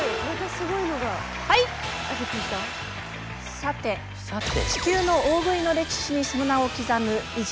さて地球の大食いの歴史にその名を刻む偉人